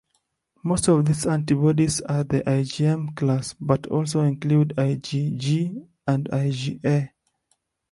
Most of these antibodies are the IgM class, but also include IgG, and IgA.